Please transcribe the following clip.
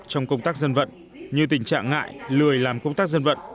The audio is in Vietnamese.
trong công tác dân vận như tình trạng ngại lười làm công tác dân vận